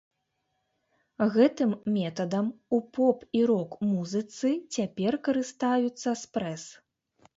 Гэтым метадам у поп- і рок-музыцы цяпер карыстаюцца спрэс.